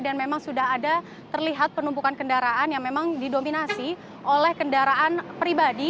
dan memang sudah ada terlihat penumpukan kendaraan yang memang didominasi oleh kendaraan pribadi